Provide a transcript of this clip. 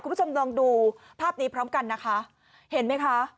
คุณผู้ชมลองดูภาพนี้พร้อมกันนะคะเห็นไหมคะ